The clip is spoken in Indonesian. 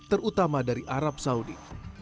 terutama dari arab saudi